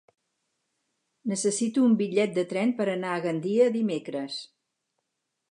Necessito un bitllet de tren per anar a Gandia dimecres.